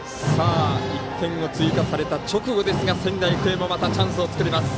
１点を追加された直後ですが仙台育英もまたチャンスを作ります。